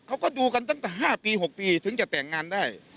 เขาก็ดูกันตั้งแต่๕ปี๖ปีถึงจะแต่งงานได้